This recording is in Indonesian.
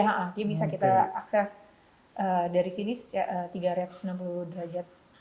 jadi bisa kita akses dari sini tiga ratus enam puluh derajat